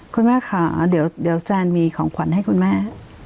คุณแม่ค่ะเดี๋ยวแซนมีของขวัญให้คุณแม่